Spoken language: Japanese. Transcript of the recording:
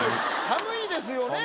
寒いですよね？